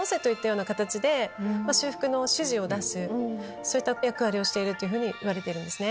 そういった役割をしているといわれてるんですね。